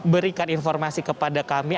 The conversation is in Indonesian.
berikan informasi kepada kami